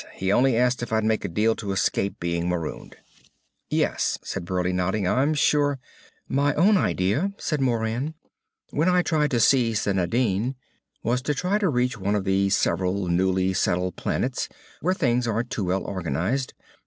He only asked if I'd make a deal to escape being marooned." "Yes," said Burleigh, nodding. "I'm sure " "My own idea," said Moran, "when I tried to seize the Nadine, was to try to reach one of several newly settled planets where things aren't too well organized.